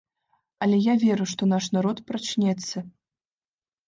Але я веру, што наш народ прачнецца.